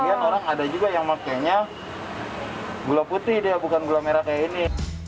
sebagian orang ada juga yang makanya gula putih deh bukan gula merah kayak ini